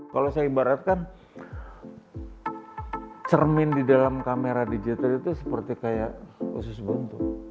kalau saya ibaratkan cermin di dalam kamera digital itu seperti kayak usus buntu